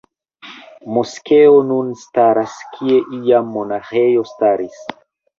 Moskeo nun staras kie iam monaĥejo staris.